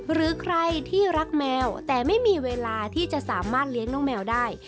หรือใครที่รักแมวแต่ไม่มีเวลาที่จะสามารถเลี้ยงน้องแมวได้